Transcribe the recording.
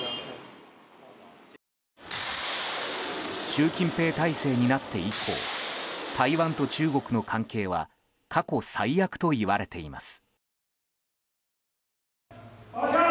習近平体制になって以降台湾と中国の関係は過去最悪といわれています。